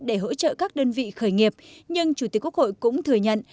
để hỗ trợ các đơn vị khởi nghiệp nhưng chủ tịch quốc hội cũng thừa nhận